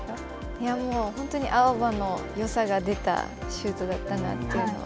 いや、もう本当にあおばのよさが出たシュートだったなというのは。